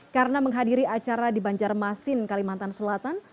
karena menghadiri acara di banjarmasin kalimantan selatan